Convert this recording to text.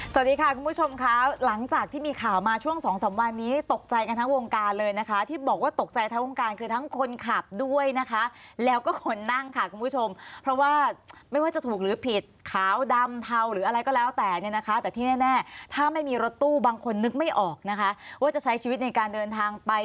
สวัสดีค่ะคุณผู้ชมครับหลังจากที่มีข่าวมาช่วงสองสามวันนี้ตกใจกันทั้งวงกาเลยนะคะที่บอกว่าตกใจกันทั้งวงกาเลยนะคะที่บอกว่าตกใจกันทั้งวงกาเลยนะคะที่บอกว่าตกใจกันทั้งวงกาเลยนะคะที่บอกว่าตกใจกันทั้งวงกาเลยนะคะที่บอกว่าตกใจกันทั้งวงกาเลยนะคะที่บอกว่าตกใจกันทั้งวงกาเลยนะคะที่บอกว่าตกใจกันทั้งวงกาเลยนะคะ